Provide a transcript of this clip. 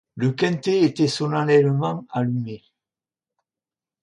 Le quinquet était solennellement allumé.